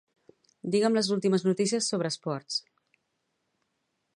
Digue'm les últimes notícies sobre esports.